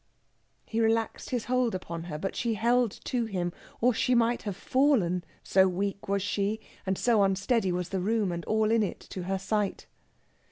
He relaxed his hold upon her; but she held to him, or she might have fallen, so weak was she, and so unsteady was the room and all in it to her sight.